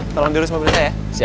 tolong diri sama belakang saya ya